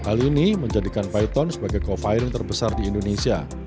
hal ini menjadikan biton sebagai co firing terbesar di indonesia